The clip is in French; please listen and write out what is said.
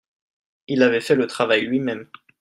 Il avait fait le travail lui-même.